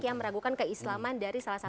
yang meragukan keislaman dari salah satu